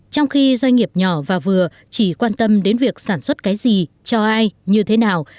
trong khi doanh nghiệp nhỏ và vừa chỉ quan tâm đến việc sản xuất cái gì cho ai như thế nào